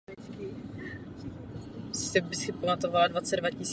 Poté získal místo knihovníka v Akademii múzických umění v Sarajevu.